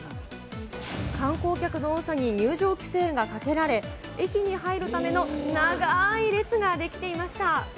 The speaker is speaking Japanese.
観光客の多さに、入場規制がかけられ、駅に入るための長ーい列が出来ていました。